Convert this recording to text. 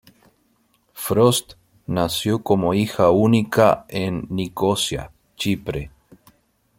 Frost nació como hija única en Nicosia, Chipre.